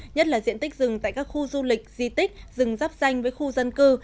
nhất là diện tích rừng tại các khu du lịch di tích rừng rắp danh với khu dân cư